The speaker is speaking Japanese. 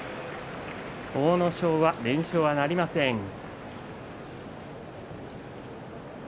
阿武咲は連勝はなりませんでした。